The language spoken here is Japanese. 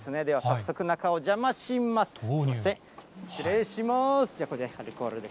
では、早速中、お邪魔します。